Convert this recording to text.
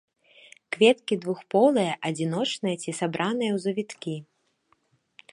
Кветкі двухполыя, адзіночныя ці сабраныя ў завіткі.